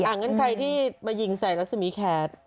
อ่ะงั้นใครที่มายิงแสงลักษณีย์แคท